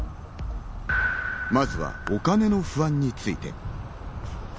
まずはお金の不安について。